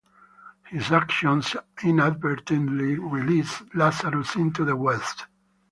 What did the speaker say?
His actions inadvertently release Lazarus into the West.